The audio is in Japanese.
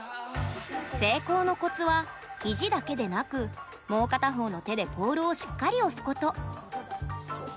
成功のコツは肘だけでなく、もう片方の手でポールをしっかり押すこと。